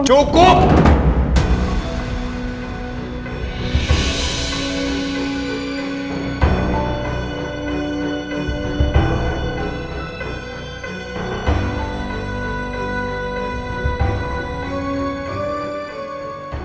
udah gak usah dibahas